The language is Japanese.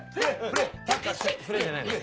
うん「フレー」じゃないのよ。